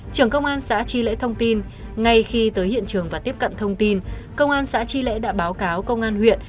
trưởng công an xã tri lễ thông tin ngay khi tới hiện trường và tiếp cận thông tin công an xã tri lễ đã báo cáo công an huyện